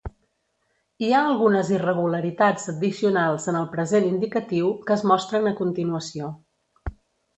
Hi ha algunes irregularitats addicionals en el present indicatiu, que es mostren a continuació.